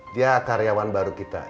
dia karyawan baru kita